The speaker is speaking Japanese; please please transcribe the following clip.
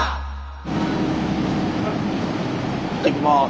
行ってきます。